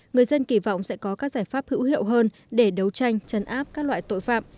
người dân kỳ vọng sẽ có các giải pháp hữu hiệu hơn để đấu tranh chấn áp các loại tội phạm